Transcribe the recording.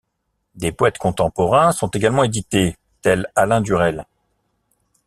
Des poètes contemporains sont également édités tel Alain Durel.